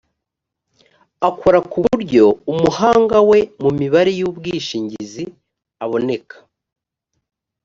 akora ku buryo umuhanga we mu mibare y’ubwishingizi aboneka